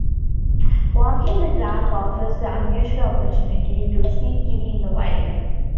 Walking the track offers the unusual opportunity to see kiwi in the wild.